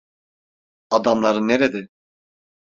Adamların nerede?